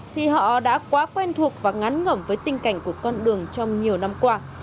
thì họ đã quá quen thuộc và ngắn ngẩm với tinh cảnh của con đường trong nhiều năm qua